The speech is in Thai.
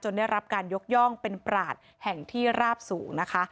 ได้รับการยกย่องเป็นปราศแห่งที่ราบสูงนะคะ